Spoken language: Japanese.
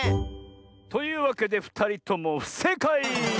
というわけでふたりともふせいかい！